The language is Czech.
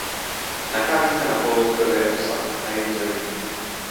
Nachází se na poloostrově Osa na jihu země.